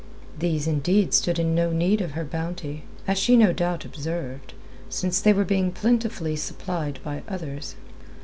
These, indeed, stood in no need of her bounty as she no doubt observed since they were being plentifully supplied by others.